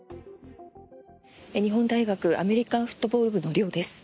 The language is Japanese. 日本大学アメリカンフットボール部の寮です。